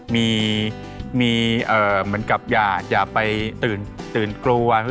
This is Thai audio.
มีเหมือนกับอย่าไปตื่นกลัว